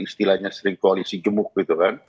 istilahnya sering koalisi gemuk gitu kan